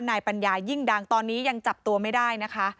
นายปัญญายิ่งดังตอนนี้ยังจับตัวไม่ได้นะคะ